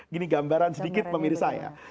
gini gambaran sedikit pemirsa ya